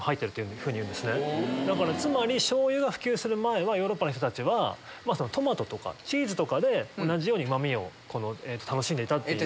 つまり醤油が普及する前はヨーロッパの人たちはトマトとかチーズで同じようにうま味を楽しんでいたっていう。